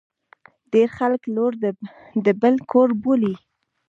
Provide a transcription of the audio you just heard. ډیر خلګ لور د بل کور بولي.